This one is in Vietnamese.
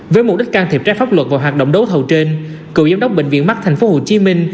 với mục đích can thiệp trách pháp luật và hoạt động đấu thầu trên